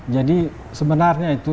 jadi sebenarnya itu